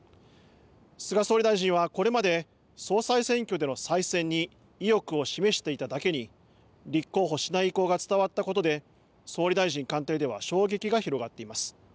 菅総理大臣はこれまで総裁選挙での再選に意欲を示していただけに立候補しない意向が伝わったことで総理大臣官邸では衝撃が広がっています。